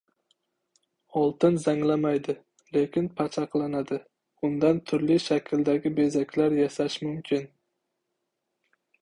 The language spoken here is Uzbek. • Oltin zanglamaydi, lekin pachaqlanadi. Undan turli shakldagi bezaklar yasash mumkin.